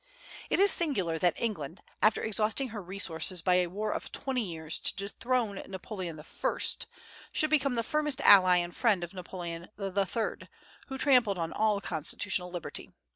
It is singular that England, after exhausting her resources by a war of twenty years to dethrone Napoleon I., should become the firmest ally and friend of Napoleon III., who trampled on all constitutional liberty.